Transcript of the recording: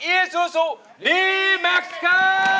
อีซูซูลีแม็กซ์ค่ะ